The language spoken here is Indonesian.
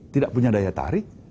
tidak punya daya tarik